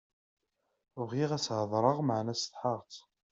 Bɣiɣ ad s-heḍṛeɣ meɛna setḥaɣ-tt.